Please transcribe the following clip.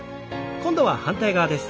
今度は反対側です。